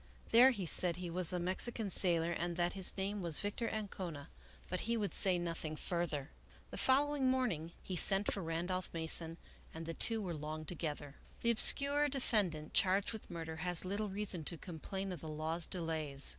There he said he was a Mexican sailor and that his name was Victor Ancona ; but he would say nothing further. The following morning he sent for Randolph Mason and the two were long together. IV The obscure defendant charged with murder has little reason to complain of the law's delays.